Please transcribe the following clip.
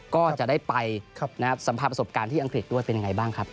ก็จะได้ไปนะครับสัมภาพประสบการณ์ที่อังกฤษด้วยเป็นอย่างไรบ้างครับ